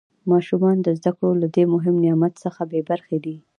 ماشومان د زده کړو له دې مهم نعمت څخه بې برخې دي.